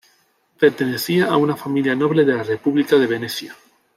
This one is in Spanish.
Pertenecía a una familia noble de la República de Venecia.